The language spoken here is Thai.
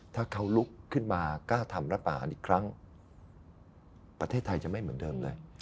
ถ้าเขาลุกขึ้นมากล้าทำรัฐประหารอีกครั้งประเทศไทยจะไม่เหมือนเดิมเลย